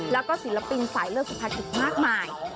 แล้วก็ศิลปินสายเลือดสุภาษีมากมาย